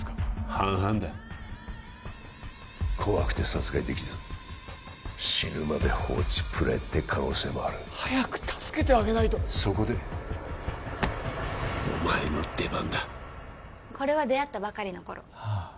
半々だ怖くて殺害できず死ぬまで放置プレイって可能性もある早く助けてあげないとそこでお前の出番だこれは出会ったばかりの頃ああ